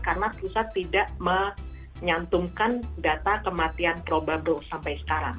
karena pusat tidak menyantumkan data kematian probable sampai sekarang